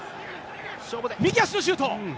右足のシュート。